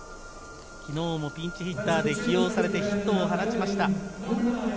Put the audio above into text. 昨日もピンチヒッターで起用されてヒットを放ちました。